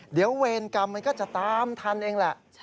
เดี๋ยวเวรกรรมมันก็จะตามทันเองแหละ